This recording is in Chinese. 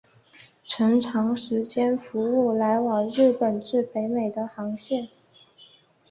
曾长时间服务来往日本至北美的航线。